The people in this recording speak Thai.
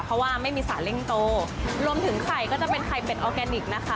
เพราะว่าไม่มีสารเร่งโตรวมถึงไข่ก็จะเป็นไข่เป็ดออร์แกนิคนะคะ